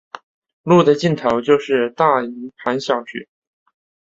路的尽头就是大营盘小学。